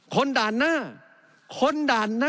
คนด่านหน้า